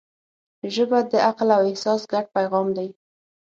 ژبه د عقل او احساس ګډ پیغام دی